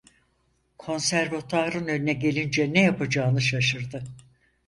Konservatuvarın önüne gelince ne yapacağını şaşırdı.